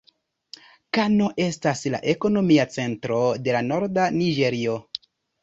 Kano estas la ekonomia centro de norda Niĝerio.